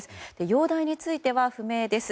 容体については不明です。